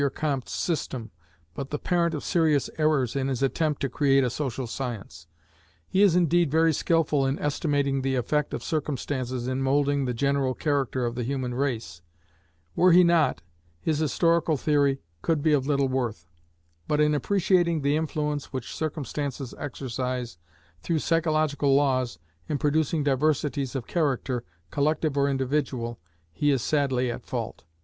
Comte's system, but the parent of serious errors in his attempt to create a Social Science. He is indeed very skilful in estimating the effect of circumstances in moulding the general character of the human race; were he not, his historical theory could be of little worth: but in appreciating the influence which circumstances exercise, through psychological laws, in producing diversities of character, collective or individual, he is sadly at fault.